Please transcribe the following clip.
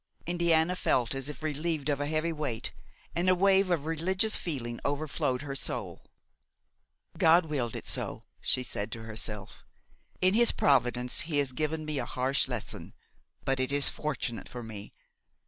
Indiana felt as if relieved of a heavy weight, and a wave of religious feeling overflowed her soul. "God willed it so," she said to herself; "in His providence he has given me a harsh lesson, but it is fortunate for me.